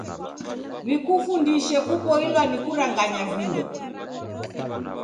W'ikufundishe kuboilwa ni kuranganya vindo.